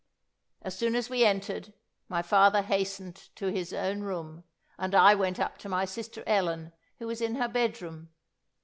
As soon as we entered, my father hastened to his own room, and I went up to my sister Ellen, who was in her bed room.